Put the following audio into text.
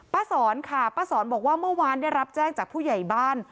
ป้าสอนค่ะป้าสอนบอกว่าเมื่อวานได้รับแจ้งจากผู้ใหญ่บ้าน